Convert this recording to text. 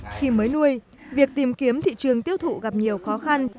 khi mới nuôi việc tìm kiếm thị trường tiêu thụ gặp nhiều khó khăn